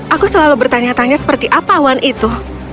aku selalu bertanya tanya seperti apa awan itu